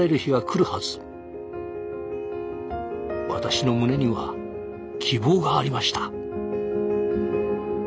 私の胸には希望がありました。